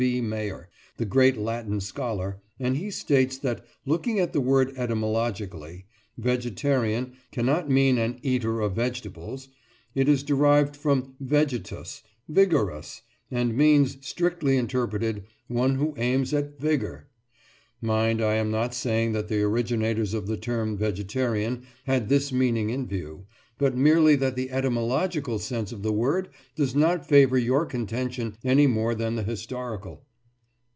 B. Mayor, the great Latin scholar, and he states that, looking at the word etymologically, "vegetarian" cannot mean "an eater of vegetables." It is derived from vegetus, "vigorous," and means, strictly interpreted, "one who aims at vigour." Mind, I am not saying that the originators of the term "vegetarian" had this meaning in view, but merely that the etymological sense of the word does not favour your contention any more than the historical.